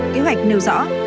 kế hoạch nêu rõ